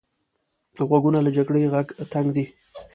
غوږونه له جګړې غږ تنګ دي